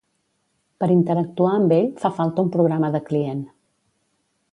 Per interactuar amb ell, fa falta un programa de client.